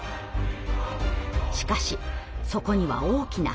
しかしそこには大きな壁が。